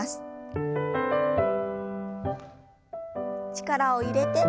力を入れて。